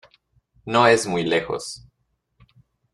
No es muy lejos.